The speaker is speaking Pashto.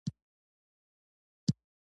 ورزش د بدن داخلي سیسټم پیاوړی کوي.